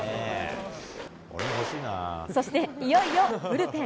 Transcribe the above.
そしていよいよブルペン。